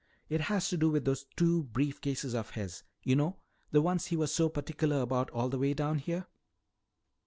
"It has to do with those two brief cases of his. You know, the ones he was so particular about all the way down here?"